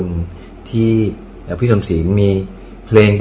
แล้ววันนี้ผมมีสิ่งหนึ่งนะครับเป็นตัวแทนกำลังใจจากผมเล็กน้อยครับ